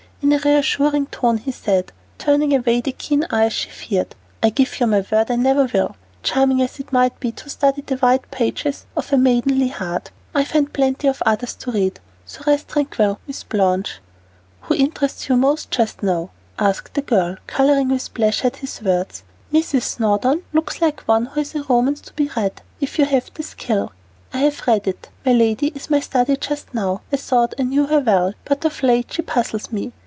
In a reassuring tone he said, turning away the keen eyes she feared, "I give you my word I never will, charming as it might be to study the white pages of a maidenly heart. I find plenty of others to read, so rest tranquil, Miss Blanche." "Who interests you most just now?" asked the girl, coloring with pleasure at his words. "Mrs. Snowdon looks like one who has a romance to be read, if you have the skill." "I have read it. My lady is my study just now. I thought I knew her well, but of late she puzzles me.